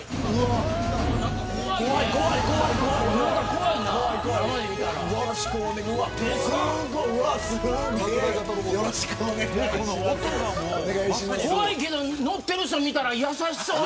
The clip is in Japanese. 怖いけど乗ってる人見たら優しそう。